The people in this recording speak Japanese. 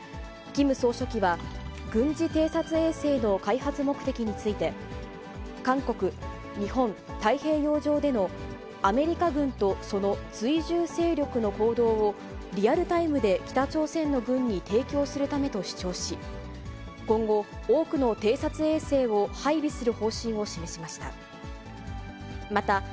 キム総書記は、軍事偵察衛星の開発目的について、韓国、日本、太平洋上でのアメリカ軍とその追従勢力の行動を、リアルタイムで北朝鮮の軍に提供するためと主張し、今後、多くの偵察衛星を配備する方針を示しました。